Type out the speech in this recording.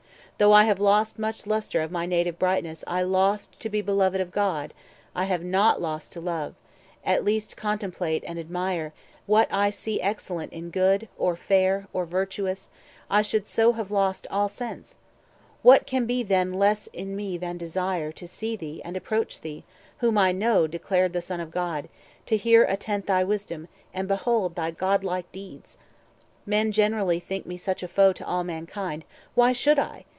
Though I have lost Much lustre of my native brightness, lost To be beloved of God, I have not lost To love, at least contemplate and admire, 380 What I see excellent in good, or fair, Or virtuous; I should so have lost all sense. What can be then less in me than desire To see thee and approach thee, whom I know Declared the Son of God, to hear attent Thy wisdom, and behold thy godlike deeds? Men generally think me much a foe To all mankind. Why should I?